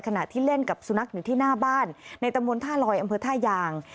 ขณะที่เล่นกับสุนัขอยู่ที่หน้าบ้านในตะมนต์ท่าลอยอำเภอท่ายาง